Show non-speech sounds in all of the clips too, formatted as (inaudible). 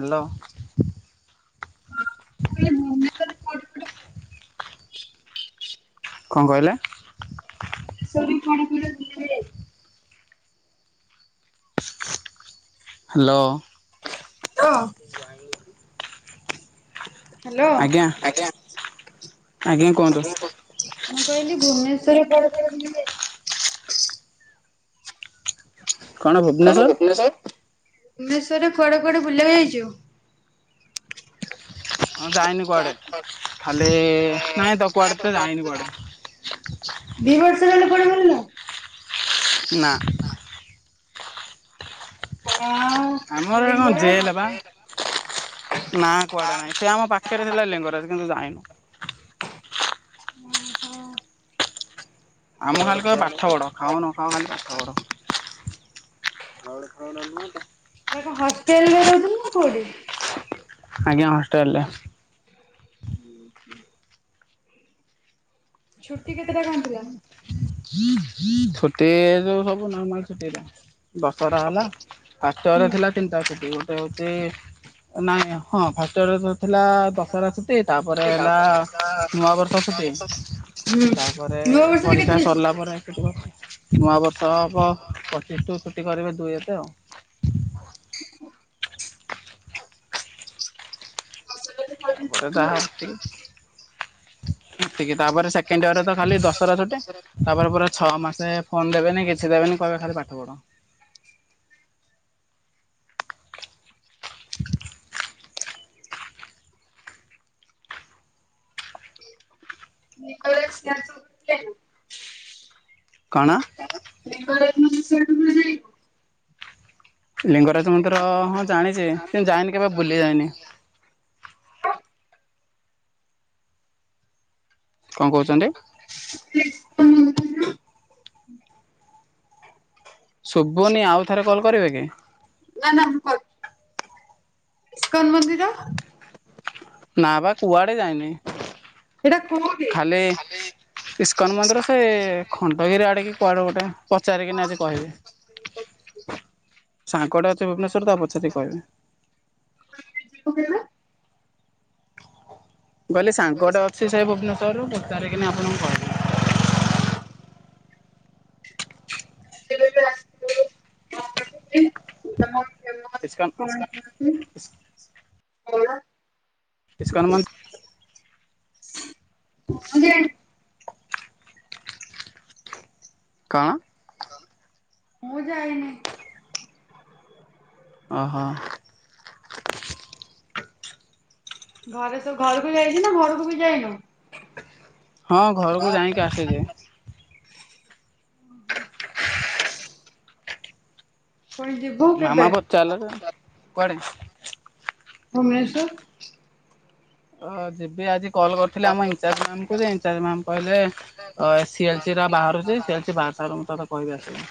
Hello (unintelligible) କଣ କହିଲେ? Sorry ପାଣିପୁର (unintelligible) hello ହଁ। ହ୍ୟାଲୋ ଆଜ୍ଞା (unintelligible) ମୁଁ ଆଜ୍ଞା କୁହନ୍ତୁ କହିଲି ଭୁବନେଶ୍ଵରରେ କୁଆଡେ କୁଆଡେ ବୁଲି ଯାଇଥିଲ? କଣ ଭୁବନେଶର ଭୁବନେଶ୍ୱରରେ କୁଆଡେ କୁଆଡେ ବୁଲିବାକୁ ଯାଇଚୁ? ହଁ ଯାଇନି କୁଆଡ଼େ ଖାଲି ନାଇଁତ କୁଆଡ଼େ ତ ଯାଇନି କୁଆଡ଼େ। ଦି ବର୍ଷ ରହିଲ କୁଆଡେ଼ ବୁଲିନ? ନା ହଁ ଆମର ଏଟା କଣ ଲିଙ୍ଗରାଜ ଜେଲ୍ ଓହୋ ପା ନା କୁଆଡେ ନାଇଁ ସେ ଆମ ପାଖରେ ଥିଲା ଲିଙ୍ଗରାଜ କିନ୍ତୁ ଯାଇନୁ। ଓହୋ ଆମକୁ ଖାଲି କହିବେ ପାଠ ପଢ଼ ଖାଅ ନଖାଅ ଖାଲି ପାଠ ପଢ଼। ଧଉଳି ଫଉଳି ନୁହଁ ତ? ସେଇଟା କଣ ହଷ୍ଟେଲ ରେ ରହୁଥିଲ ନା କୋଉଠି? ଆଜ୍ଞା ହଷ୍ଟେଲ୍ ରେ। ହୁଁ ହୁଁ ଛୁଟି କେତେଟା କଣ ଥିଲା? ଛୁଟି ଯୋଉ ସବୁ ନର୍ମାଲ ଛୁଟିରା। ଦଶହରା ହେଲା ଫାଷ୍ଟ୍ ୟିଅର୍ ରେ ହୁଁ ଥିଲା ତିନିଟା ଛୁଟି ଗୋଟେ ହଉଚି ନାଇଁ ହଁ ଫାଷ୍ଟ୍ ୟିଅର୍ ରେ ତ ଥିଲା ଦଶରା ଛୁଟି ତାପରେ ହେଲା ନୂଆ ବର୍ଷ ଛୁଟି। ହୁଁ ତାପରେ ନୂଆ ବର୍ଷରେ ପରୀକ୍ଷା କେତେଟା ଅଛି? ସରିଲା। (unintelligible) ନୂଆବର୍ଷ ହବ ପଚିଶ ଠୁ ଛୁଟି କରିବେ ଦୁଇ ଏତେ ଆଉ। ତାପରେ ଯାହା ଅଛି। ଏତିକି ତାପରେ ସେକେଣ୍ଡ ୟିଅର୍ ରେ ତ ଖାଲି ଦଶରା ଛୁଟି। ତାପରେ ପୁରା ଛଅ ମାସେ ଫୋନ୍ ଦେବେନି କିଛି ଦେବେନି କହିବେ ଖାଲି ପାଠ ପଢ଼। (unintelligible) କଣ? ଲିଙ୍ଗରାଜ ମନ୍ଦିର ସେଇ (unintelligible) ଲିଙ୍ଗରାଜ ମନ୍ଦିର ହଁ ଜାଣିଛି କିନ୍ତୁ ଯାଇନି କେବେ ବୁଲି ଯାଇନି। କଣ କହୁଛନ୍ତି? (unintelligible) ଶୁବୁନି ଆଉ ଥରେ କଲ୍ କରିବେ କି? ନା ନା (unintelligible) ଇସ୍କନ୍ ମନ୍ଦିର? ନାଁ ପା କୁଆଡେ ଯାଇନି। ଏଇଟା କୋଉଠି? ଖାଲି ଇସ୍କନ୍ ମନ୍ଦିର ସେ ଖଣ୍ଡଗିରି ଆଡେ କି କୁଆଡେ ଗୋଟେ ପଚାରିକିନି ଆଜି କହିବି। ସାଙ୍ଗଟେ ଅଛି ଭୁବନେଶ୍ୱରରେ ତାକୁ ପଚାରିକି କହିବି। (inaudible) ମୁଁ କହିଲି ସାଙ୍ଗଟେ ଅଛି ସେ ଭୁବନେଶ୍ୱରରୁ ପଚାରିକିନି ଆପଣଙ୍କୁ କହିବି। (inaudible) ଇସ୍କନ। (inaudible) ଇସ୍କନ ମୁଁ ମନ୍ଦି ଜାଣି କଣ? ମୁଁ ଯାଇନି। ଓ ହଁ। ଘରେ ତୁ ଘରକୁ ଯାଇଚୁନା ଘରକୁ ବି ଯାଇନୁ? ହଁ ଘରୁକୁ ଯାଇକି ଆସିଲି। ପୁଣି ଯିବୁ କେବେ ମାମା ପଚାରିଲା ଯେ କୁଆଡେ଼? ଭୁବନେଶ୍ୱର। ଅ ଯିବି ଆଜି କଲ୍ କରିଥିଲି ଆମ ଇନଚାର୍ଜ ମ୍ୟାମ୍ ଙ୍କୁ ଯେ ଇନଚାର୍ଜ ମ୍ୟାମ୍ କହିଲେ ଅ ସି ଏଲ୍ ସି ଟା ବାହାରୁଛି ସି ଏଲ୍ ସି ବାହାରି ସାରୁ ମୁଁ ତତେ କହିବି ଆସିବୁ।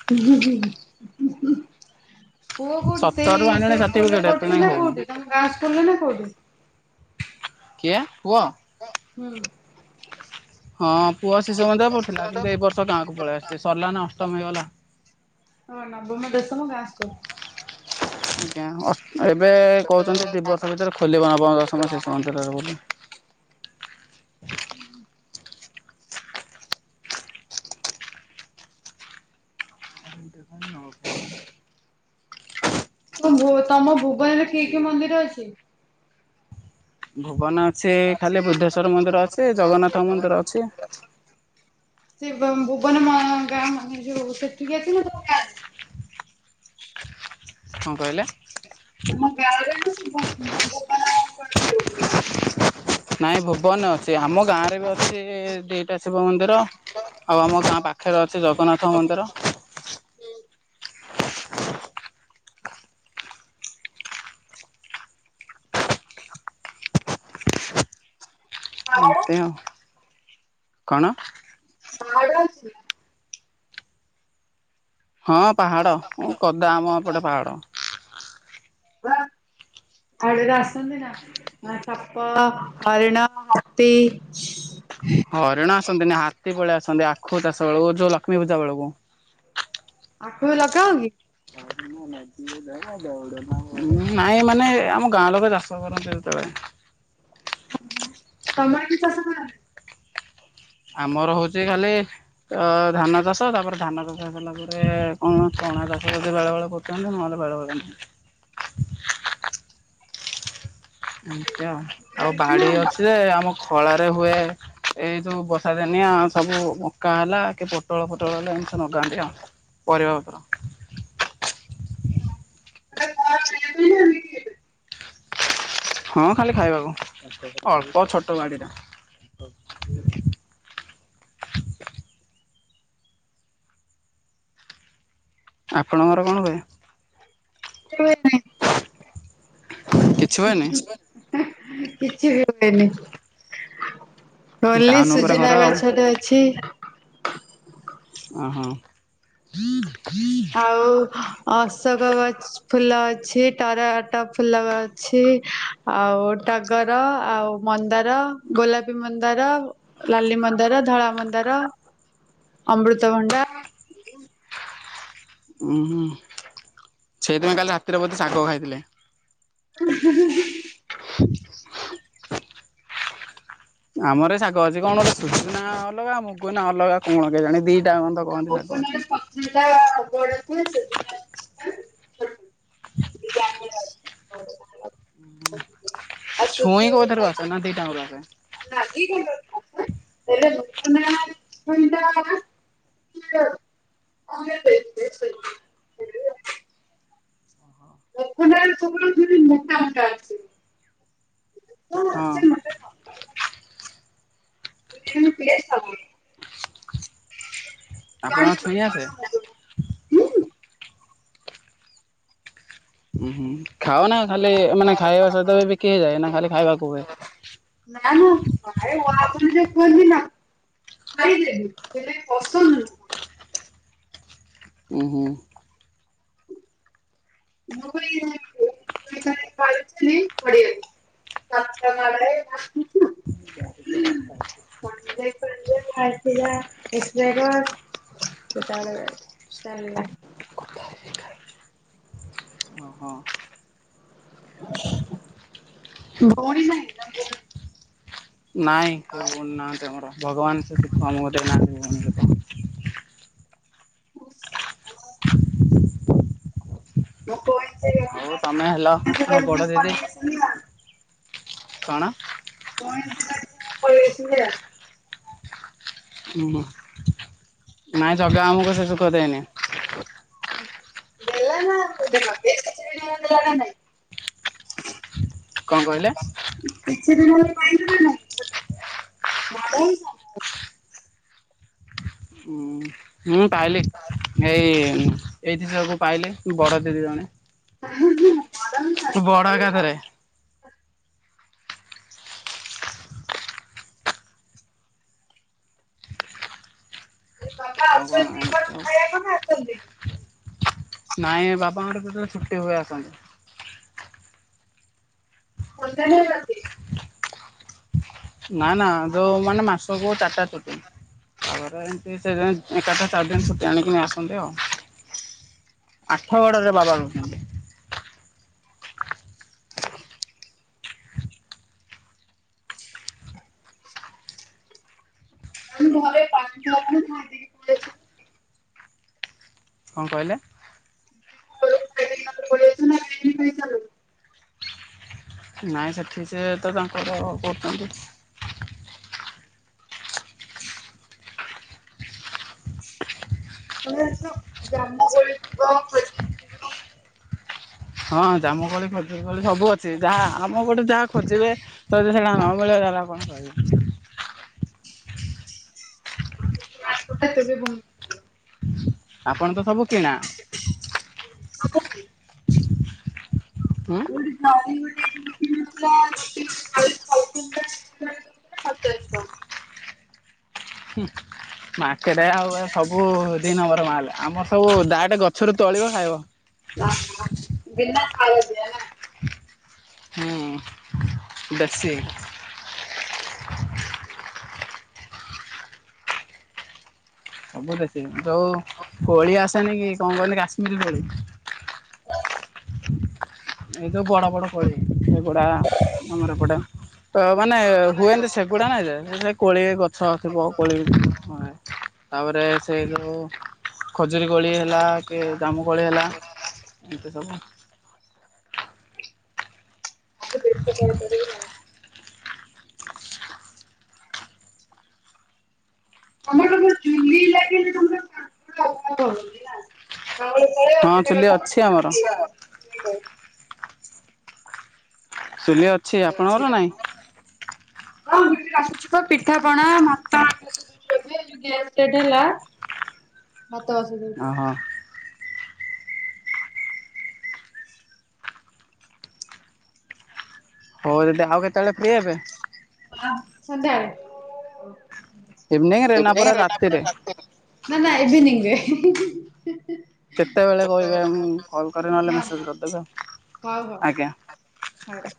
(unintelligible) ପୁଅ କୋଉଠି ସତରରୁ ସେଇ ଆଣିଲାଣି ସେଇ ସ୍କୁଲ ରେ ସାର୍ଟିଫିକେଟ ଏତେ ପଢୁଛି ଯାଏଁ ନା ହଉନି କୋଉଠି ତମ ଗାଁ ସ୍କୁଲ ରେ ନା କୋଉଠି? କିଏ ପୁଅ? ହୁଁ। ହଁ ପୁଅ ଶିଶୁ ମନ୍ଦିରରେ ପଡୁଥିଲା କିନ୍ତୁ ଏଇ ବର୍ଷ ଗାଁକୁ ପଳେଇ ଆସିଛି ସରିଲା ନା ଅଷ୍ଟମ ହେଇଗଲା। ହଁ ନବମ, ଦଶମ ଗାଁ ସ୍କୁଲ୍। ଆଜ୍ଞା ଅସ୍ ଏବେ କହୁଛନ୍ତି ଦି ବର୍ଷ ଭିତରେ ଖୋଲିବ ନବମ ଦଶମ ଶିଶୁ ମନ୍ଦିରରେ ବୋଲି। ହୁଁ (unintelligible) ହଁ ତମ ଭୁବନରେ କି କି ମନ୍ଦିର ଅଛି? ଭୁବନ ଅଛି ଖାଲି ବୁଧେଶ୍ବର ମନ୍ଦିର ଅଛି ଜଗନ୍ନାଥ ମନ୍ଦିର ଅଛି। ସେ ବୋବନ ମା ଗ ମେ ଯେ ସେଠିକତି ନା ଗାଁରେ? ହଣ କହିଲେ? ତମ ଗାଁରେ (unintelligible) ନାଇଁ ଭୁବନ ଅଛି ଆମ ଗାଁ ରେ ବି ଅଛି ଦିଟା ଶିବ ମନ୍ଦିର। ଆଉ ଆମ ଗାଁ ପାଖରେ ଅଛି ଜଗନ୍ନାଥ ମନ୍ଦିର। ପାହାଡ ଏମିତି ଆଉ। କଣ? ଆଡୁଆଁଷି ହଁ ପାହାଡ଼ କଦା ଆମ ଏପଟେ ପାହାଡ଼ ଆଳୁରେ ଆସନ୍ତି ନା ସାପ, ହରିଣ, ହତି ହରିଣ ଆସନ୍ତିନି ହାତୀ ପଳେଇ ଆସନ୍ତି ଆଖୁ ଚାଷ ବେଳକୁ ଯୋଉ ଲକ୍ଷ୍ମୀ ପୂଜା ବେଳକୁ। ଆଖୁ ଲଗାଅ କି? ନାଇଁ ମାନେ ଆମ ଗାଁ ଲୋକ ଚାଷ କରନ୍ତି ଯେତେବେଳେ ତମର କି ଚାଷ କରାହୁଏ? ଆମର ହଉଛି ଖାଲି ତ ଧାନ ଚାଷ ତାପରେ ଧାନ ଚାଷ ହେଲା ପରେ କଣ ଚଣା ଚାଷ (unintelligible) ବେଳେ ବେଳେ (unintelligible) ଏମିତି ଆଉ ଆଉ ବାଡି ଅଛି ଯେ ଆମ ଖଳାରେ ହୁଏ ଏଇ ଯୋଉ ବର୍ଷା ଦିନିଆ ସବୁ ମକା ହେଲା କି ତଳ ପୋଟଳ ହେଲେ ଏମିତି ଲଗାନ୍ତି ଆଉ ପରିବା ପତ୍ର (inaudible) ହଁ ଖାଲି ଖାଇବାକୁ ଅଳ୍ପ ଛୋଟ ବାଡିଟା ଆପଣଙ୍କର କଣ ହୁଏ? (inaudible) କିଛି ହୁଏନି କିଛି ବି ହୁଏନି ଗଲି ଟାଉନ ଉପରେ ଘର ସୁଜିନା ଆଉ ଗଛଟେ ଅଛି। ଓହୋ ଆଉ ଅଶୋକ ଗଛ ଫୁଲ ଅଛି ଟରଟା ଫୁଲ ଅଛି ଆଉ ଟା ଗର ଆଉ ମନ୍ଦାର, ଗୋଲାପୀ ମନ୍ଦାର ଲାଲି ମନ୍ଦାର, ଧଳା ମନ୍ଦାର, ଅମୃତଭଣ୍ଡା ଉଁ ସେଇଥିପାଇଁ କାଲି ରାତିରେ ବୋଧେ ଶାଗ ଖାଇଥିଲେ। (inaudible) (inaudible) ଆମର ଶାଗ ଅଛି କଣ ଅ ସୁ ନା ଅଲଗା ମୁଗ ନା ଅଲଗା କଣ କେଜାଣି ଦି (unintelligible) (unintelligible) ଆଉ ଛୁଇଁ କୋଉଥାରୁ ଆସେ ସୂର୍ଯ୍ୟ ନା ଦିଟାଙ୍କର ଆସେ? (unintelligible) (unintelligible) (unintelligible) ମୋଟା ମୋଟା ହଁ। (unintelligible) ଆପଣଙ୍କ ଛୁଇଁ ଆସେ? ଉଁ ହୁଁ, ଖାଅନା ଖାଲି ମାନେ ଖାଇବା ସହିତ ବି ବିକି ହେଇଯାଏ ନା ଖାଲି ଖାଇବାକୁ ହୁଏ। ନାଇଁମ (unintelligible) କୁହନ୍ତି ନାଁ? ଖାଇଦେବି ହେଲେ ପସନ୍ଦ ନୁହୁଁ। ଉଁ ହୁଁ। (unintelligible) (unintelligible) (unintelligible) ସେ ତାର ଚାଲିଲା। ଓହୋ। ଭଉଣୀ ନାହିଁ ନାଁ ନାଇଁ କେହି ଭଉଣି ନାହାନ୍ତି ଆମର ଭଗବାନ ସେ ସୁଖ ଆମକୁ ଦେଇନାହାନ୍ତି ଭଉଣି ସୁଖ। (inaudible) ହଉ ତମେ ହେଲ ମୋ ବଡ ଦିଦି (unintelligible) କଣ? (unintelligible) ଉଁ ହୁଁ, ନାଇଁ ଜଗା ଆମକୁ ସେ ସୁଖ ଦେଇନି? ଦେଲ ନା ଦେଖ (unintelligible) ଦେଲା ନା ନାଇଁ। (inaudible) କଣ କହିଲେ? କିଛି (unintelligible) ବଡ ହେଇଯା। ହୁଁ। ହୁଁ ପାଇଲେ ଏଇ ଏଇଠି ସବୁ ପାଇଲେ ବଡ଼ ଦିଦି ଜଣେ। (unintelligible) ବଡ଼ ନା। ଏକାଥରେ। ବାପା ଆଉ କଣ ଆସନ୍ତି ଦ୍ୱିପହର ଏମିତି ଆଉ ଖାଇବାକୁ ନାଁ ଆସନ୍ତିନି? ନାଇଁ ବାପାଙ୍କର କେତେବେଳେ ଛୁଟି ହୁଏ ଆସନ୍ତି। (unintelligible) ନାଁ ନାଁ ଯୋଉ ମାନେ ମାସକୁ ଚାରିଟା ଛୁଟି ତାପରେ ସେ ସେଇଥିପାଇଁ ଏକାଥରେ ଚାରି ଦିନି ଛୁଟି ଆଣିକି ଆସନ୍ତି ଆଉ। ଆଠଗଡରେ ବାବା ରହୁଛନ୍ତି। ଆମ ଘରେ ପାଣି ଥୁଆ ପାଣି (inaudible) କଣ କହିଲେ? (unintelligible) ନାଇଁ ସେଠି ସେ ତ ତାଙ୍କର କରୁଛନ୍ତି। ତମେ ଜାଣିଛ (unintelligible) ହଁ ଜାମୁକୋଳି ଖଜୁରିକଳି ସବୁ ଅଛି ଯାହା ଆମ ପଟେ ଯାହା ଖୋଜିବେ ତତେ ସେଇଟା। (unintelligible) (unintelligible) ଆପଣ ତ ସବୁ କିଣା ଉଁ? ନାଇଁ ଗୋଟେ (unintelligible) (unintelligible) ହୁଁ, ମା କେତେ ଆଉ ସବୁ ଦିନମ୍ବର ମାଲ୍ ଆମର ସବୁ ଦାଇରେଟ ଗଛରୁ ତୋଳିବ ଖାଇବ। (unintelligible) ବିନା ଖାଇବା ଦିଅନା। ହୁଁ, ବେସି। ସବୁ ଦେଶି ଯୋଉ କୋଳି ଆସେନିକି କଣ କହନ୍ତି କାଶ୍ମୀର କୋଳି। (inaudible) ଏଇତ ବଡ଼ ବଡ଼ କୋଳି ଏଗଡ଼ା ଆମର ଏପଟେ। ତ ମାନେ ହୁଏନ୍ତି ସେଗୁଡ଼ା ନାଇଁ ଯେ ସେ କୋଳିରେ ଗଛ ଥିବ କୋଳି (unintelligible) ତାପରେ ସେଇ ଯେଉଁ ଖଜୁରୀ କୋଳି ହେଲା କି ଜାମୁକୋଳି ହେଲା ଏମିତି ସବୁ ତାକୁ ଦେଶୀ କହିପାରିବୁ ଆଉ। (inaudible) ତମର ତ ଏପଟେ ଚୁଲି ଲାଗିନି ତମେ (unintelligible) ହଁ ଚୁଲି ଅଛି ଆମର। କାଠ ଚୁଲି ଅଛି, ଆପଣଙ୍କର ନାଇଁ? ଚୁଲି ଅଛି ତ, ପିଠା ପଣା, ମଟନ୍ ହେଇଛି ଏବେ ଯଉ ଗ୍ୟାସ ରେଟ୍ ହେଲା। ଭାତ ବସେଇଦେଇଛି। ଓହୋ ହଉ ଦିଦି ଆଉ କେତେବେଳେ ଫ୍ରି ହେବେ? ହଁ ସନ୍ଧ୍ୟାବେଳେ, ଇଭିନିଙ୍ଗରେ ନା ପୁରା ରାତିରେ? ନା ନା ଇଭିନିଙ୍ଗରେ। କେତେବେଳେ କହିବେ ମୁଁ କଲ୍ କରିବି ନହେଲେ ହଁ। ମେସେଜ୍ କରିଦେବେ ଆଉ, ଆଜ୍ଞା। ଛାଡ଼।